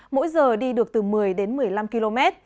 mỗi giờ đi được từ một mươi đến một mươi năm km